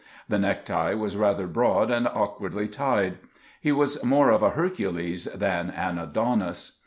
The necktie was rather broad and awkwardly tied. He was more of a Hercules than an Adonis.